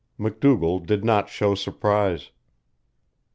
MacDougall did not show surprise.